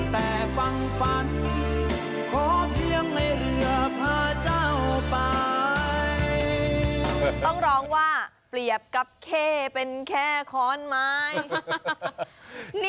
ต้องร้องว่าเปรียบกับเข้เป็นแค่ค้อนไม้